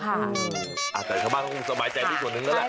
อาจารย์เข้ามาต้องคุ้มสบายใจที่ส่วนนึงแล้วแหละ